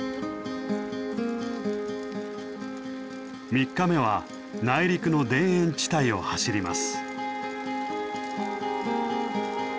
３日目は内陸の田園地帯を走ります。